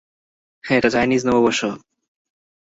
এটা চাইনিজ নববর্ষ!